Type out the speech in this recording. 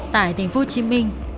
tại thành phố hồ chí minh